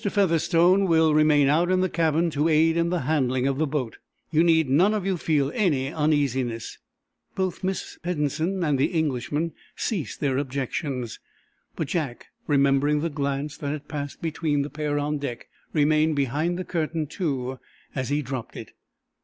Featherstone will remain out in the cabin to aid in the handling of the boat. You need none of you feel any uneasiness." Both Miss Peddensen and the Englishman ceased their objections. But Jack, remembering the glance that had passed between the pair on deck, remained behind the curtain, too, as he dropped it.